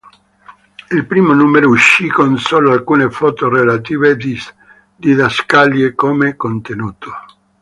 Il primo numero uscì con solo alcune foto e relative didascalie come contenuto.